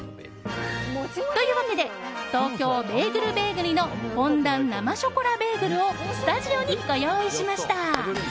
というわけで東京べーぐるべーぐりのフォンダン生ショコラべーぐるをスタジオにご用意しました。